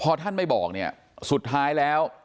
พอท่านไม่บอกเนี่ยสุดท้ายแล้ว